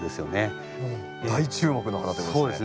大注目の花ということですね。